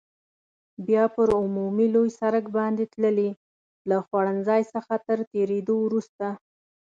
بیا پر عمومي لوی سړک باندې تللې، له خوړنځای څخه تر تېرېدو وروسته.